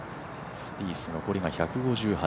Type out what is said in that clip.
スピース、残りが１５８。